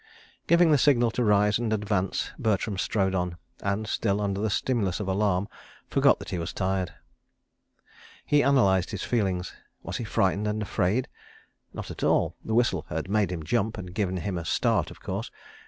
Giving the signal to rise and advance, Bertram strode on, and, still under the stimulus of alarm, forgot that he was tired. He analysed his feelings. ... Was he frightened and afraid? Not at all. The whistle had "made him jump," and given him a "start," of course.